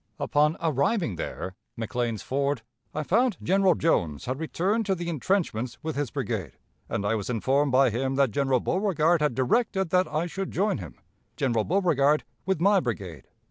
"Upon arriving there (McLean's Ford), I found General Jones had returned to the intrenchments with his brigade, and I was informed by him that General Beauregard had directed that I should join him (General Beauregard) with my brigade....